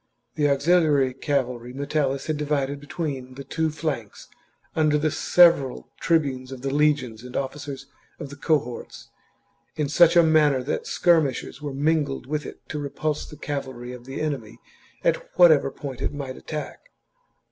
The auxiliary cavalry Metellus had divided between the two flanks under the several tribunes of the legions and officers of the cohorts, in such a manner that skirmishers were mingled with it to repulse the XLVIl. THE JUGURTHINE WAR. 1 73 cavalry of the enemy at whatever point it might chap. attack.